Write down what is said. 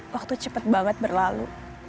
waktu cepet banget berlalu